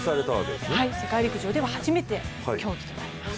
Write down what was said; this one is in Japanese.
世界陸上では初めての競技となります。